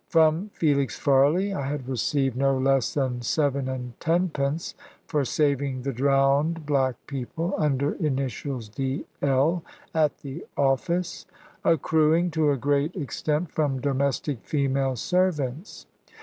From "Felix Farley" I had received no less than seven and tenpence for saving the drowned black people under initials "D. L." at the office; accruing to a great extent from domestic female servants.